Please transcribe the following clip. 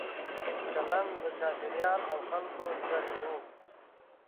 چلند له چاپېریال او خلکو زده کوو.